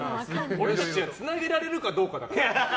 俺たちはつなげられるかどうかだから。